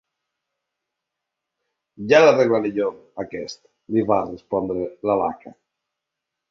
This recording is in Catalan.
Ja l'arreglaré, jo, aquest! —li va respondre la Laka.